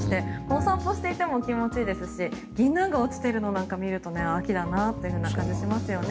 お散歩していても気持ちいいですしギンナンが落ちているのなんかを見ると秋だなという感じがしますよね。